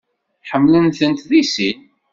Ḥemmlen-tent deg sin.